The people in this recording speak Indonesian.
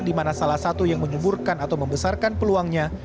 di mana salah satu yang menyuburkan atau membesarkan peluangnya